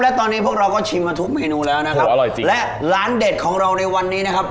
และตอนนี้พวกเราก็ชิมมาทุกเมนูแล้วนะครับอร่อยจริงและร้านเด็ดของเราในวันนี้นะครับ